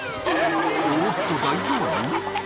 おっと、大丈夫？